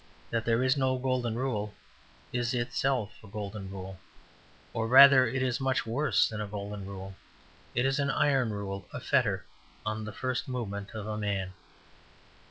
That there is no golden rule is itself a golden rule, or rather it is much worse than a golden rule. It is an iron rule; a fetter on the first movement of a man.